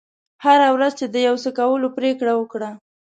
هره ورځ چې د یو څه کولو پرېکړه وکړه.